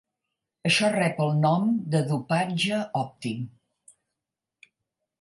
Això rep el nom de "dopatge òptim".